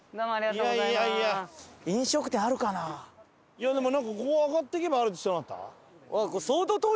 いやでもここ上がっていけばあるって言ってなかった？